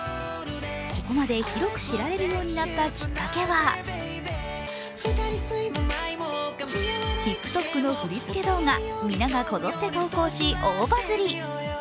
ここまで広く知られるようになったきっかけはＴｉｋＴｏｋの振り付け動画、皆がこぞって投稿し、大バズり。